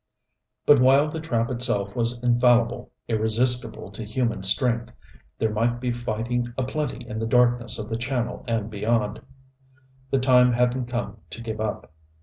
But while the trap itself was infallible, irresistible to human strength, there might be fighting aplenty in the darkness of the channel and beyond. The time hadn't come to give up.